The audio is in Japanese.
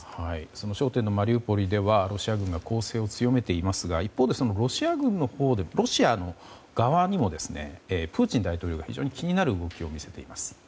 その焦点のマリウポリではロシア軍が攻勢を強めていますが一方でロシアの側にもプーチン大統領が非常に気になる動きを見せています。